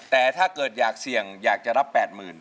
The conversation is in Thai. แต่ถ้าเกิดอยากเสี่ยงอยากจะรับ๘๐๐๐